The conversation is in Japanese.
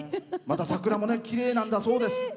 また桜もきれいなんだそうです。